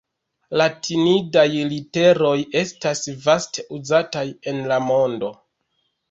Latinidaj literoj estas vaste uzataj en la mondo.